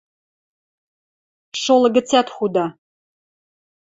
Шолы гӹцӓт худа!